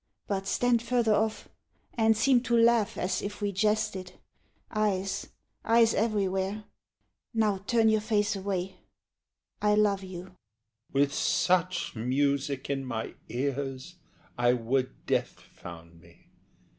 but stand further off, And seem to laugh, as if we jested eyes, Eyes everywhere! Now turn your face away ... I love you. HE. With such music in my ears I would death found me.